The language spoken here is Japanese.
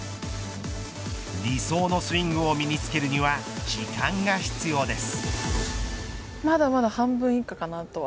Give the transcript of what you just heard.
理想のスイングを身につけるには時間が必要です。